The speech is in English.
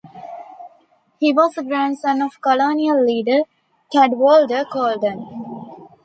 He was the grandson of Colonial leader Cadwallader Colden.